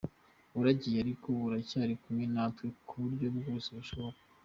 Waragiye ariko uracyari kumwe natwe mu buryo bwose bushoboka.